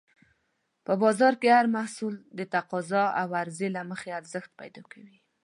په بازار کې هر محصول د تقاضا او عرضې له مخې ارزښت پیدا کوي.